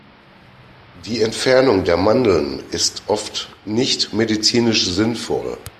Die Entfernung der Mandeln ist oft nicht medizinisch sinnvoll.